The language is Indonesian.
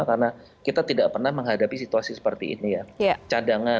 karena kita tidak pernah menghadapi situasi seperti ini ya